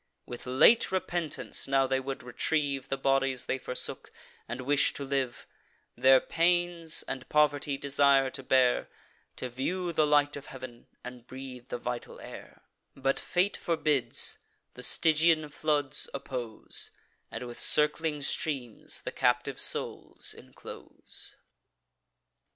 With late repentance now they would retrieve The bodies they forsook, and wish to live; Their pains and poverty desire to bear, To view the light of heav'n, and breathe the vital air: But fate forbids; the Stygian floods oppose, And with circling streams the captive souls inclose.